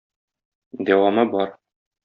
Дәвамы бар.